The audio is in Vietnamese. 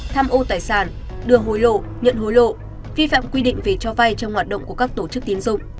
tham ô tài sản đưa hối lộ nhận hối lộ vi phạm quy định về cho vay trong hoạt động của các tổ chức tiến dụng